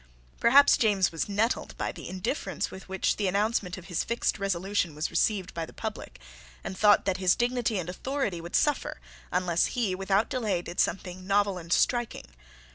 Perhaps James was nettled by the indifference with which the announcement of his fixed resolution was received by the public, and thought that his dignity and authority would suffer unless he without delay did something novel and striking.